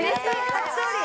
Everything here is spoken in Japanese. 初勝利！